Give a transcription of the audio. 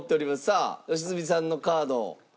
さあ良純さんのカード。